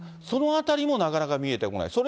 そのあたりもなかなか見えてこない。